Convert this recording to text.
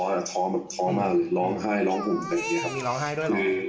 ทอทอต่อมากเลยร้องไห้ร้องหุ่นเขาเห็นร้องไห้ด้วยเหรออือ